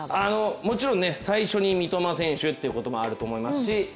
もちろん最初に三笘選手ということもあると思いますし